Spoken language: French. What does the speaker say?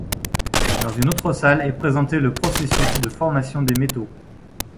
Dans une autre salle est présenté le processus de formation des métaux.